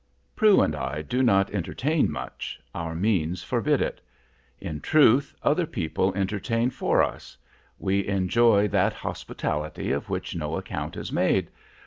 Prue and I do not entertain much; our means forbid it. In truth, other people entertain for us. We enjoy that hospitality of which no account is made.